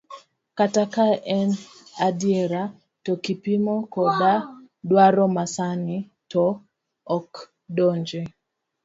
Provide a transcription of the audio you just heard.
Kata ka en adiera, to kipimo koda dwaro masani, to ok donji.